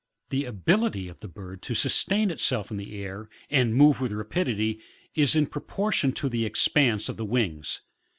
The ability of the bird to sustain itself in the air, and move with rapidity, is in proportion to the expanse of the wings.